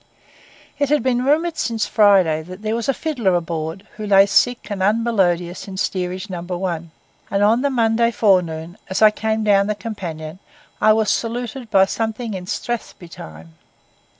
It had been rumoured since Friday that there was a fiddler aboard, who lay sick and unmelodious in Steerage No. 1; and on the Monday forenoon, as I came down the companion, I was saluted by something in Strathspey time.